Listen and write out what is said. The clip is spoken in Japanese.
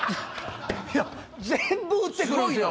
全部打ってくるんすよ。